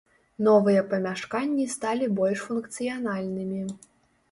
Новыя памяшканні сталі больш функцыянальнымі.